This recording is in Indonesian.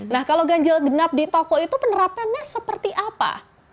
nah kalau ganjil genap di toko itu penerapannya seperti apa